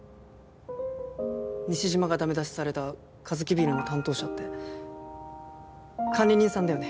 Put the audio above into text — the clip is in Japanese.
西島がダメ出しされたカヅキビールの担当者って管理人さんだよね？